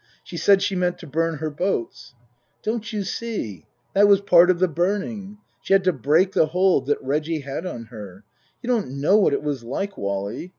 She said she meant to burn her boats." " Don't you see that was part of the burning. She had to break the hold that Reggie had on her. You don't know what it was like, Wally.